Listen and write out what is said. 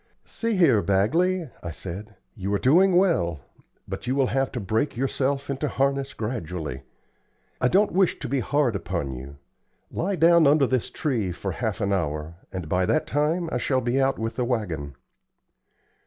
"See here, Bagley," I said, "you are doing well, but you will have to break yourself into harness gradually. I don't wish to be hard upon you. Lie down under this tree for half an hour, and by that time I shall be out with the wagon."